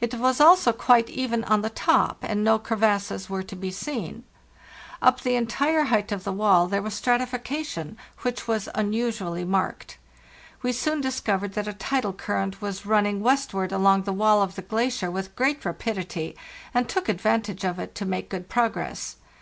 It was also quite even on the top, and no crevasses were to be seen. Up the entire height of the wall there was strati fication, which was unusually marked. We soon dis covered that a tidal current was running westward along the wall of the glacier with great rapidity, and took ad vantage of it to make good progress.